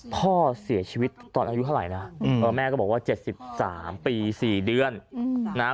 พ่อเสียชีวิตตอนอายุเท่าไหร่นะแม่ก็บอกว่า๗๓ปี๔เดือนนะ